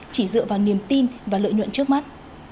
chỉ dựa vào niềm tin và lợi nhuận trước mắt